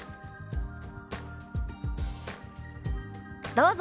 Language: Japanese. どうぞ。